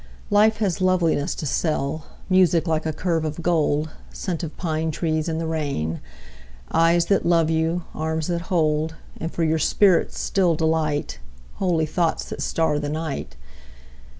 Life has loveliness to sell, Music like a curve of gold, Scent of pine trees in the rain, Eyes that love you, arms that hold, And for your spirit's still delight, Holy thoughts that star the night.